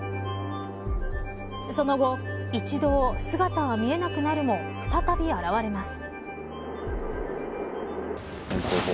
その後、一度姿は見えなくなるも再び現れます。